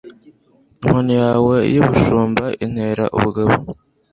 inkoni yawe y'ubushumba intera ubugabo